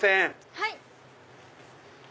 はい。